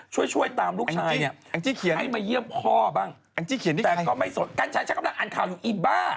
กัญชัยฉันกำลังอ่านข่าวอยู่ไอ้บ้า